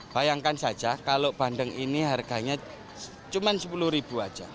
bayangkan saja kalau bandeng ini harganya cuma rp sepuluh saja